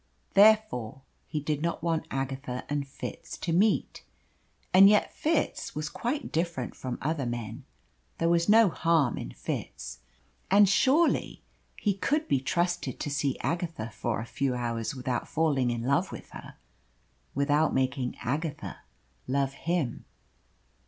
Therefore he did not want Agatha and Fitz to meet. And yet Fitz was quite different from other men. There was no harm in Fitz, and surely he could be trusted to see Agatha for a few hours without falling in love with her, without making Agatha love him.